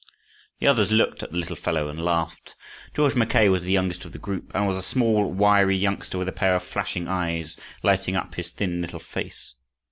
The others looked at the little fellow and laughed. George Mackay was the youngest of the group, and was a small wiry youngster with a pair of flashing eyes lighting up his thin little face.